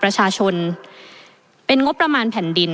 ประเทศอื่นซื้อในราคาประเทศอื่น